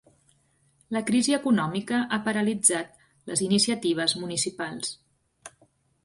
La crisi econòmica ha paralitzat les iniciatives municipals.